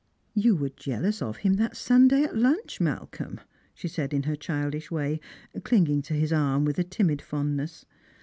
"You were jealous of him that Sunday at lunch, Malcolm/' she said in her childish way, clinging to his arm with a timid fondness.